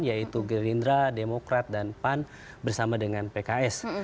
yaitu gerindra demokrat dan pan bersama dengan pks